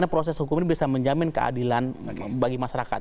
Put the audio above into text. proses hukum ini bisa menjamin keadilan bagi masyarakat